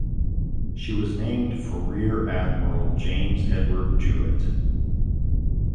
She was named for Rear admiral James Edward Jouett.